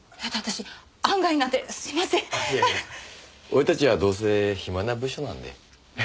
俺たちはどうせ暇な部署なんで。